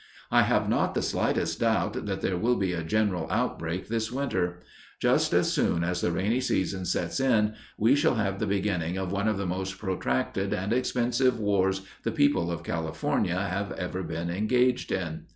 "I have not the slightest doubt that there will be a general outbreak this winter. Just as soon as the rainy season sets in we shall have the beginning of one of the most protracted and expensive wars the people of California have ever been engaged in.